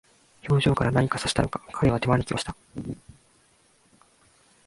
表情から何か察したのか、彼は手招きをした。